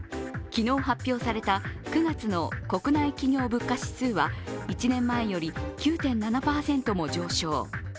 昨日発表された９月の国内企業物価指数は１年前より９．７％も上昇。